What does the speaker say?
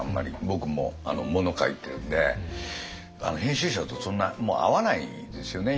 僕も物書いてるんで編集者とそんな会わないですよね